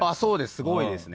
すごいですね。